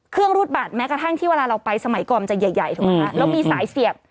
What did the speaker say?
เครื่องรูดบัตรแม้กระทั่งที่เวลาเราไปสมัยก่อนมันจะใหญ่แล้วมีสายเสียบ